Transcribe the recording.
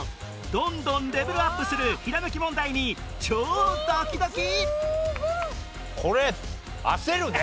どんどんレベルアップするひらめき問題に超ドキドキ！